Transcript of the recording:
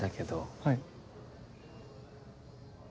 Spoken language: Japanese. はい。